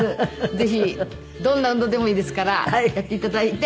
ぜひどんな運動でもいいですからやって頂いて。